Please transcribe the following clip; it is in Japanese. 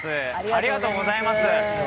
ありがとうございます。